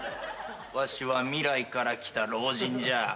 わしは未来から来た老人じゃ。